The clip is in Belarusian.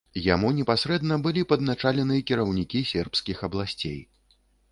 Яму непасрэдна былі падначалены кіраўнікі сербскіх абласцей.